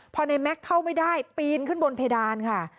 พอในแม็กซ์เข้าไม่ได้ปีนขึ้นบนเพดานค่ะ